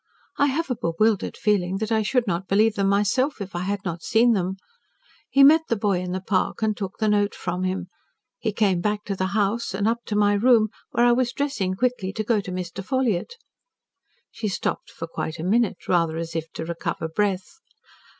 I have a bewildered feeling that I should not believe them myself if I had not seen them. He met the boy in the park and took the note from him. He came back to the house and up to my room, where I was dressing quickly to go to Mr. Ffolliott." She stopped for quite a minute, rather as if to recover breath.